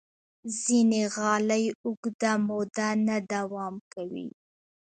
ځینې غالۍ اوږده موده نه دوام کوي.